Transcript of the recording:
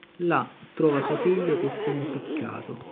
Là, trova suo figlio che si è impiccato.